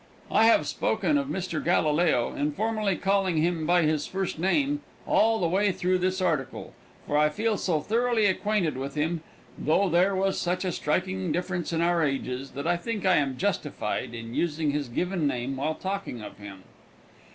I have spoken of Mr. Galileo, informally calling him by his first name, all the way through this article, for I feel so thoroughly acquainted with him, though there was such a striking difference in our ages, that I think I am justified in using his given name while talking of him.